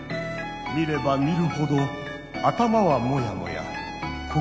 見れば見るほど頭はモヤモヤ心もモヤモヤ。